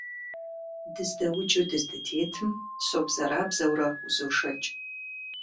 Дыздэуджу дыздытетым собзэрабзэурэ узошэкӀ.